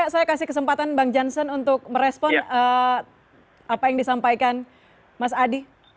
saya kasih kesempatan bang jansen untuk merespon apa yang disampaikan mas adi